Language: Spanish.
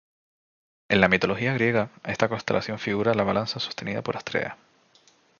En la mitología griega, esta constelación figura la balanza sostenida por Astrea.